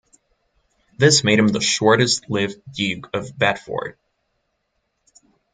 This made him the shortest-lived Duke of Bedford.